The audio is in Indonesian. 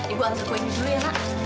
ibu antar kue dulu ya nak